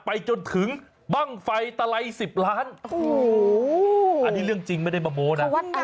ไปจนถึงเบิ้งฟัยตะไล๑๐ล้านอันนี้เรื่องจริงไม่ได้มาโมโหนะ